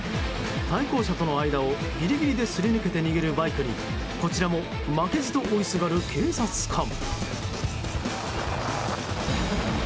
対向車との間を、ギリギリですり抜けて逃げるバイクにこちらも負けじと追いすがる警察官。